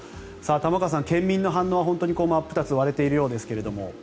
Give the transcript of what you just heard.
玉川さん、県民の反応は真っ二つに割れているようですが。